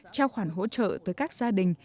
trao khoản hỗ trợ tới các gia đình